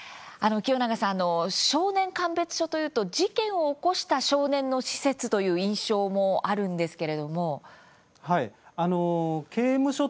清永さん、少年鑑別所というと事件を起こした少年の施設という印象もあるんですけれども。